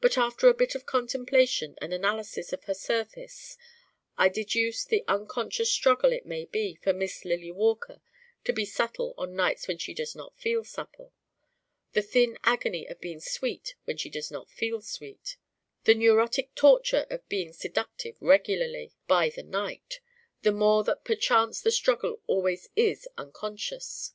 But after a bit of contemplation and analysis of her surface I deduce the unconscious struggle it may be for Miss Lily Walker to be supple on nights when she does not feel supple, the thin agony of being sweet when she does not feel sweet, the neurotic torture of being seductive regularly by the night: the more that perchance the struggle always is unconscious.